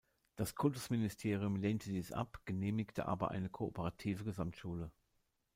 Das Kultusministerium lehnte dies ab, genehmigte aber eine Kooperative Gesamtschule.